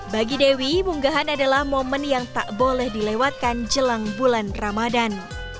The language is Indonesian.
bagi dewi munggahan adalah momen yang tak boleh dilewatkan jelang bulan ramadan